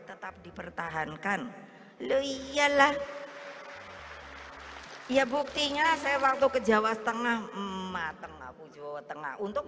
tetap dipertahankan lo iyalah ya buktinya saya waktu ke jawa tengah mateng aku jawa tengah untuk